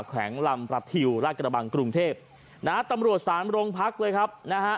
แขวงลำประทิวราชกระบังกรุงเทพนะฮะตำรวจสามโรงพักเลยครับนะฮะ